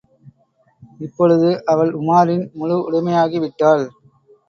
இப்பொழுது, அவள் உமாரின் முழு உடைமையாகி விட்டாள்.